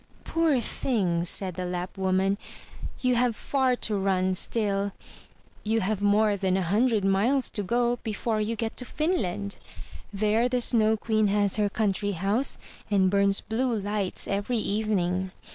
"Poor thing," said the Lapp woman, "you have far to run still. You have more than a hundred miles to go before you get to Finland; there the Snow Queen has her country house, and bums blue lights every evening.